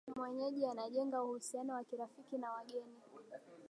mwenyeji anajenga uhusiano wa kirafiki na wageni